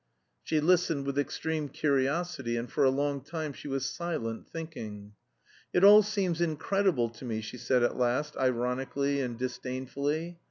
She listened with extreme curiosity, and for a long time she was silent, thinking. "It all seems incredible to me," she said at last, ironically and disdainfully.